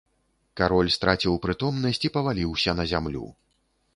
Кароль страціў прытомнасць і паваліўся на зямлю.